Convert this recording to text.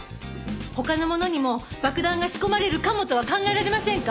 他のものにも爆弾が仕込まれるかもとは考えられませんか？